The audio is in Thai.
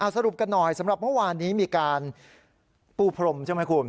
สรุปกันหน่อยสำหรับเมื่อวานนี้มีการปูพรมใช่ไหมคุณ